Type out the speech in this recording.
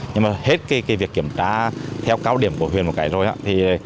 nhưng mà hết cái việc kiểm tra theo cao điểm của huyền một cái rồi